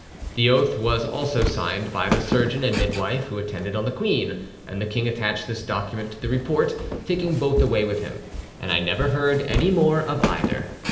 The oath was also signed by the surgeon and midwife who attended on the queen, and the king attached this document to the report, taking both away with him, and I never heard any more of either.